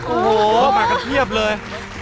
โอ้โหมากันเพียบเลย